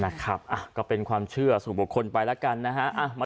นะครับก็เป็นความเชื่อสู่บุคคลไปแล้วกันนะฮะ